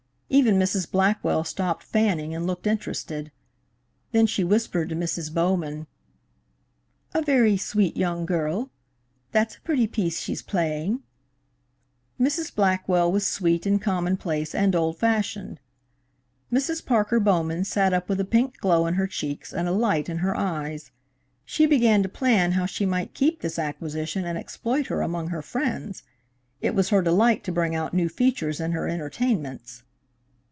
Even Mrs. Blackwell stopped fanning and looked interested. Then she whispered to Mrs. Bowman: "A very sweet young girl. That's a pretty piece she's playing." Mrs. Blackwell was sweet and commonplace and old fashioned. Mrs. Parker Bowman sat up with a pink glow in her cheeks and a light in her eyes. She began to plan how she might keep this acquisition and exploit her among her friends. It was her delight to bring out new features in her entertainments.